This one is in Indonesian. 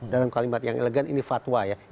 dalam kalimat yang elegan ini fatwa ya